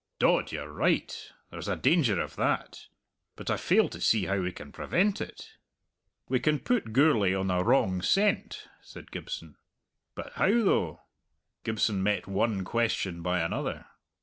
"Dod, you're right. There's a danger of that. But I fail to see how we can prevent it." "We can put Gourlay on a wrong scent," said Gibson. "But how, though?" Gibson met one question by another.